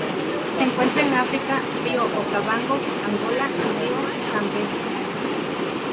Se encuentran en África: río Okavango, Angola y río Zambeze.